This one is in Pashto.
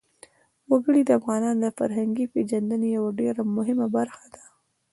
وګړي د افغانانو د فرهنګي پیژندنې یوه ډېره مهمه برخه ده.